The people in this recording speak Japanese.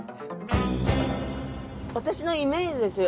私のイメージですよ。